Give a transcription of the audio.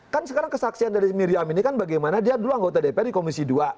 kan sekarang kesaksian dari miriam ini kan bagaimana dia dulu anggota dpr di komisi dua